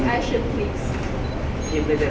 เพราะว่าพวกมันต้องรักษาอินเตอร์